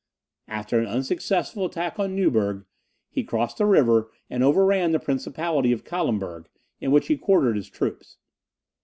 After an unsuccessful attack on Nieuburg, he crossed the river and overran the principality of Calemberg, in which he quartered his troops.